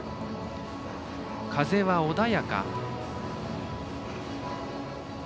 風は穏やか。